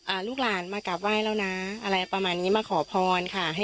ลูกหลานมากราบไหว้แล้วนะอะไรประมาณนี้มาขอพรค่ะ